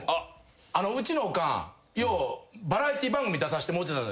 うちのおかんようバラエティー番組出させてもろうてた。